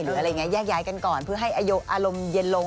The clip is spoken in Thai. หรืออะไรอย่างนี้แยกย้ายกันก่อนเพื่อให้อารมณ์เย็นลง